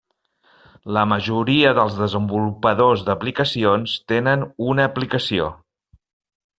La majoria dels desenvolupadors d'aplicacions tenen una aplicació.